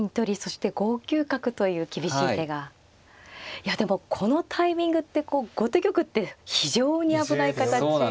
いやでもこのタイミングってこう後手玉って非常に危ない形で。